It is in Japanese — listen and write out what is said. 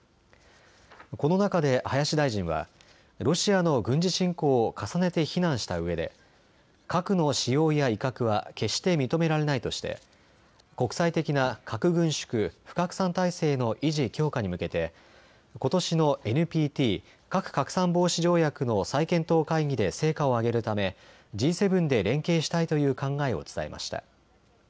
この中で林大臣はロシアの軍事侵攻を重ねて非難したうえで核の使用や威嚇は決して認められないとして国際的な核軍縮・不拡散体制の維持・強化に向けてことしのＮＰＴ・核拡散防止条約の再検討会議で成果を挙げるためＧ７で連携したいという考えを伝えました。